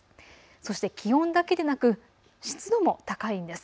そして気温だけでなく湿度も高いんです。